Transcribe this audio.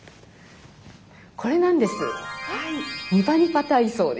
これなんです。